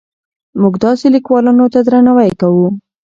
موږ داسې لیکوالانو ته درناوی کوو.